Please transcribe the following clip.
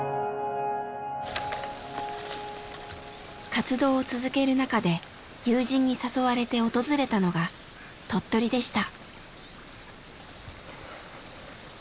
活動を続ける中で友人に誘われて訪れたのが鳥取でした。